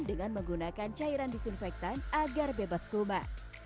dan menggunakan cairan disinfektan agar bebas kuma